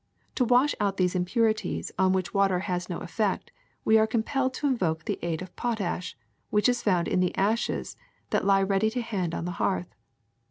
To wash out these im purities on which water has no effect we are com pelled to invoke the aid of potash, which is found in the ashes that lie ready to hand on the hearth.